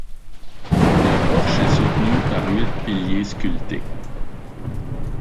Le porche est soutenu par huit piliers sculptés.